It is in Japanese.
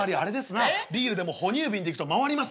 ビールでも哺乳瓶でいくと回りますな。